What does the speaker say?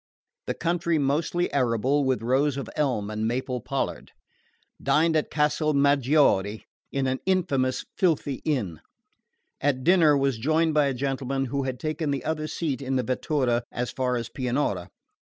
The country mostly arable, with rows of elm and maple pollard. Dined at Casal Maggiore, in an infamous filthy inn. At dinner was joined by a gentleman who had taken the other seat in the vettura as far as Pianura.